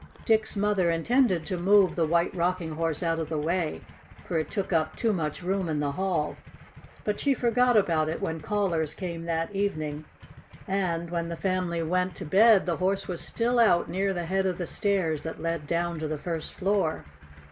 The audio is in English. Dick's mother intended to move the White Rocking Horse out of the way, for it took up too much room in the hall, but she forgot about it when callers came that evening, and, when the family went to bed, the Horse was still out near the head of the stairs that led down to the first floor.